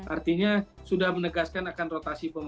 artinya sudah menegaskan akan rotasi pemain gitu loh